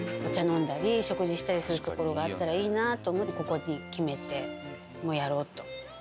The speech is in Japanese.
飲んだり食事したりする所があったらいいなと思ってここに決めてもうやろうと。